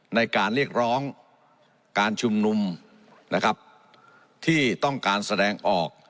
ในการเรียกร้องการชุมนุมนะครับที่ต้องการแสดงออก